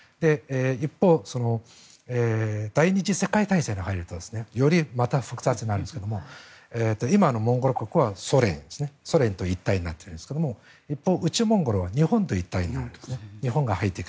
一方、第２次世界大戦に入るとよりまた複雑になるんですが今のモンゴル国はソ連と一体になっているんですが一方、内モンゴルは日本と一体になってるんですね。